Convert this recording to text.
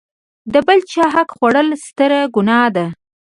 د بل چاحق خوړل ستره ګناه ده.